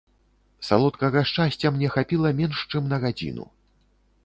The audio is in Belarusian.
Салодкага шчасця мне хапіла менш чым на гадзіну.